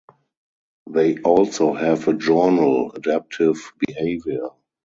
They also have a journal, Adaptive Behavior.